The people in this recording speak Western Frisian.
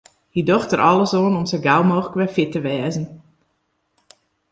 Hy docht der alles oan om sa gau mooglik wer fit te wêzen.